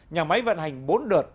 nhà máy vận hành bốn đợt